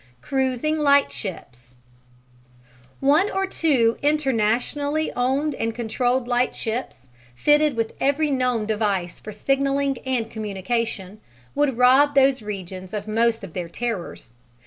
Cruising lightships One or two internationally owned and controlled lightships, fitted with every known device for signalling and communication, would rob those regions of most of their terrors.